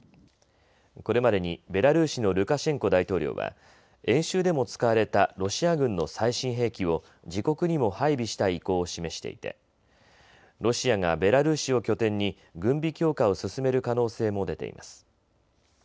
これまでにベラルーシのルカシェンコ大統領は演習でも使われたロシア軍の最新兵器を自国にも配備したい意向を示していてロシアがベラルーシを拠点に軍備強化を進める可能性も出ています。